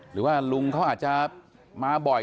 หรือว่าลุงเขาอาจจะมาบ่อย